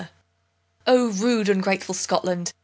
rude ungrateful Scotland!